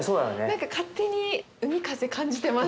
何か勝手に海風感じてます。